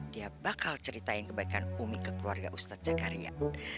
dia bakal ceritain kebaikan umi ke keluarga ustadz jakaria